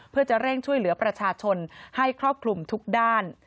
เพื่อจะเร่งช่วยเหลือประชาชนให้ครอบคลุมทุกด้าน